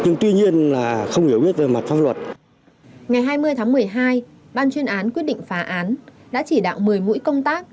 ngày hai mươi tháng một mươi hai ban chuyên án quyết định phá án đã chỉ đạo một mươi mũi công tác